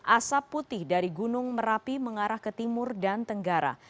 asap putih dari gunung merapi mengarah ke timur dan tenggara